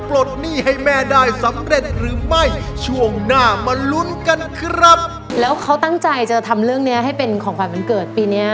แล้วเขาตั้งใจจะทำเรื่องนี้ให้เป็นของขวัญบันเกิดปีนี้